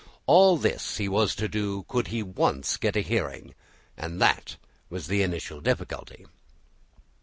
All this he was to do, could he once get a hearing: there was the initial difficulty.